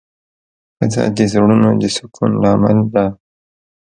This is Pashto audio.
ښځه د زړونو د سکون لامل ده.